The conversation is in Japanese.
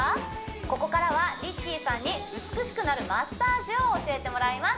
ここからはＲＩＣＫＥＹさんに美しくなるマッサージを教えてもらいます